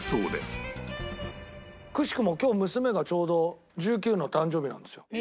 くしくも今日娘がちょうど１９の誕生日なんですよ。